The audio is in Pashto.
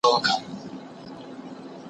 که ته غواړې نو زه به ستا د شکر لپاره دعا وکړم.